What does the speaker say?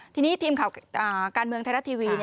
ทีนี้ทีมข่าวการเมืองไทยรัฐทีวี